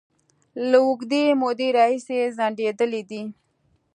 له اوږدې مودې راهیسې ځنډيدلې دي